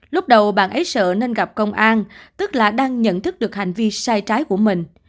lúc đầu bạn ấy sợ nên gặp công an tức là đang nhận thức được hành vi sai trái của mình